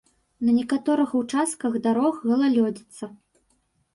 На некаторых участках дарог галалёдзіца.